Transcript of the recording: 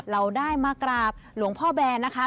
เราได้มากราบหลวงพ่อแบนนะคะ